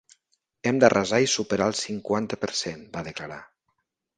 Hem d’arrasar i superar el cinquanta per cent, va declarar.